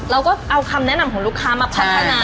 เราก็เอาคำแนะนำของลูกค้ามาพัฒนา